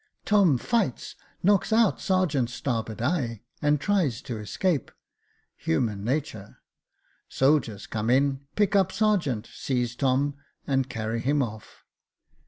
Tom fights, knocks out sergeant's starboard eye, and tries to escape — human natur. Soldiers come in, pick up sergeant, seize Tom, and carry him off.